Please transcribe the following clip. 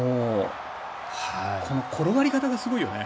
転がり方がすごいよね。